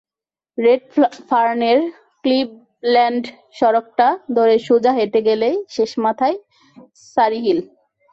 Red ফার্নের Cleveland সড়কটা ধরে সোজা হেঁটে গেলেই শেষ মাথায় সারিহিল।